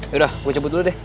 ya udah gue cebut dulu deh